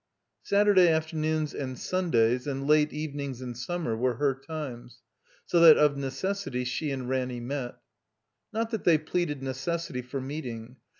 Saturday afternoons, and Stindays, and late even ings in stunmer were her times, so that of necessity she and Ranny met. Not that they pleaded necessity for meeting.